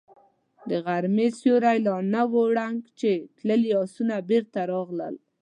د غرمې سيوری لا نه و ړنګ چې تللي آسونه بېرته راغلل.